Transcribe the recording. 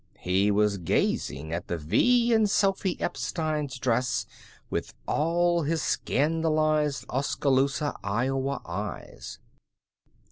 He was gazing at the V in Sophy Epstein's dress with all his scandalized Oskaloosa, Iowa, eyes.